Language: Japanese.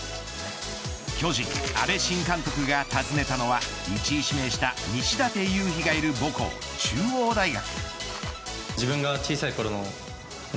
巨人、阿部新監督が訪ねたのは１位指名した西舘勇陽がいる母校中央大学。